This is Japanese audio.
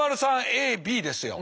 ＡＢですよ。